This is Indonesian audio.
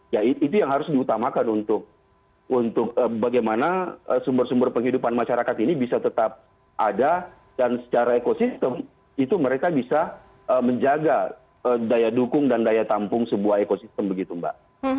ya itu yang harus diutamakan untuk bagaimana sumber sumber penghidupan masyarakat ini bisa tetap ada dan secara ekosistem itu mereka bisa menjaga daya dukung dan daya tampung sebuah ekosistem begitu mbak